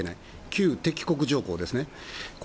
旧敵国条項です。